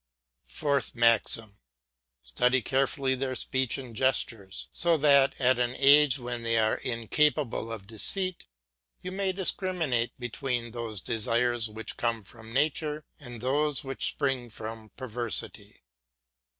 FOURTH MAXIM Study carefully their speech and gestures, so that at an age when they are incapable of deceit you may discriminate between those desires which come from nature and those which spring from perversity.